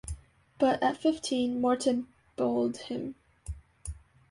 But, at fifteen, Morton bowled him.